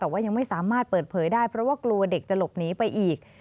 แต่ว่ายังไม่สามารถเปิดเผยได้เพราะว่ากลัวเด็กจะหลบหนีไปอีก